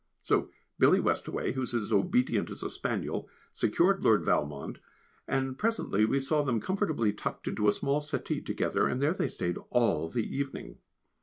So Billy Westaway, who is as obedient as a spaniel, secured Lord Valmond, and presently we saw them comfortably tucked into a small settee together, and there they stayed all the evening.